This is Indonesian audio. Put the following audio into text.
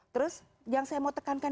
terus yang saya mau tekankan